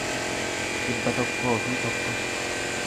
dhibba tokkoo fi tokko